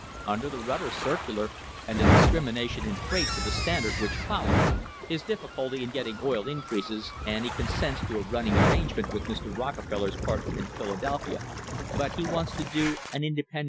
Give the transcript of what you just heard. Under the Rutter circular and the discrimination in freight to the Stand ard which followed, his difficulty in getting oil increases, and ' he consents to a running arrangement with Mr. Rockefeller's partner in Philadelphia, but he wants to do an "independent * Condensed from Mr. Harkness's testimony.